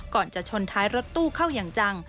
ก่อนจะชนท้ายรถตู้เข้าอย่างจัง